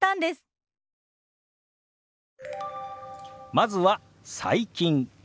まずは「最近」。